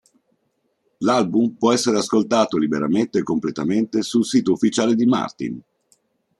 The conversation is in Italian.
L'album può essere ascoltato liberamente e completamente sul sito ufficiale di Martin.